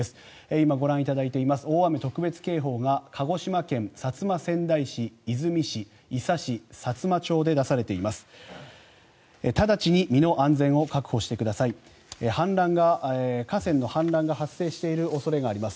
今、ご覧いただいています大雨特別警報が鹿児島県薩摩川内市出水市、伊佐市、さつま町で出されています。